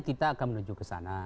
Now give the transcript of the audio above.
kita akan menuju ke sana